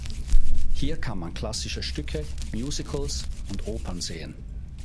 Hier kann man klassische Stücke, Musicals und Opern sehen.